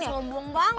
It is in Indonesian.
terus lombong banget